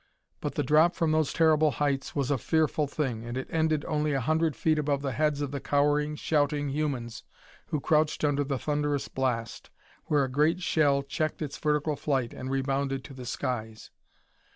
But the drop from those terrible heights was a fearful thing, and it ended only a hundred feet above the heads of the cowering, shouting humans who crouched under the thunderous blast, where a great shell checked its vertical flight and rebounded to the skies.